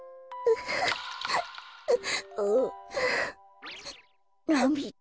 あ。なみだ？